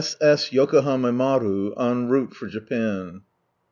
S. Yokohama Maru, en rmitt for Japan.